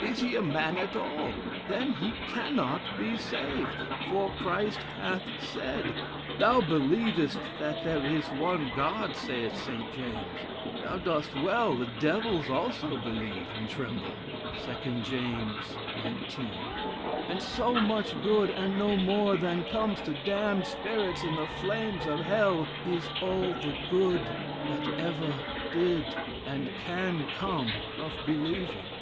Is he a man at all, then he cannot be saved, for Christ hath said, 'Thou believest that there is one God;' saith St. James, 'Thou dost well, the Devils also believe and tremble.' 2 James xix. And so much good, and no more, than comes to damned spirits in the flames of Hell, is all the good that ever did and can come of believing.